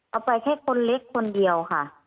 เอาไปแค่คนเล็กคนเดียวค่ะ